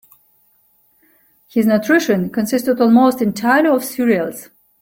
His nutrition consisted almost entirely of cereals.